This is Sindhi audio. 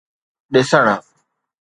ڏسڻ